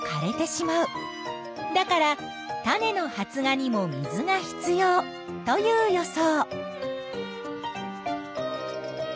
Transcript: だから種の発芽にも水が必要という予想。